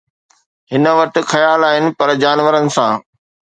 هن وٽ خيال آهن پر جانورن سان